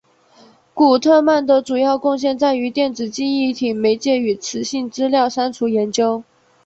古特曼的主要贡献在于电子记忆体媒介与磁性资料删除研究。